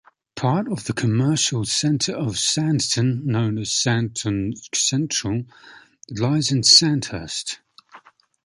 Part of the commercial centre of Sandton, known as Sandton Central, lies in Sandhurst.